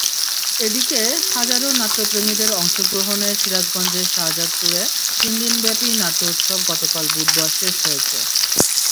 এদিকে হাজারো নাট্যপ্রেমীদের অংশগ্রহণে সিরাজগঞ্জের শাহাজাদপুরে তিন দিনব্যাপী নাট্যোৎসব গতকাল বুধবার শেষ হয়েছে।